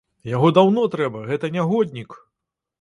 Яго даўно трэба, гэта нягоднік!